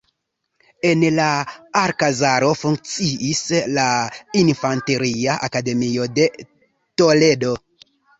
En la alkazaro funkciis la Infanteria Akademio de Toledo.